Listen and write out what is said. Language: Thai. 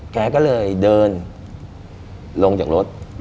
แกก็เลยเดินลงจากรถ